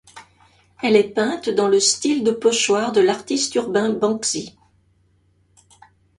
Elle est peinte dans le style de pochoir de l'artiste urbain Banksy.